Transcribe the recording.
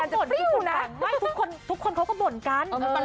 หมื่นคนเขาก็บ่นกัน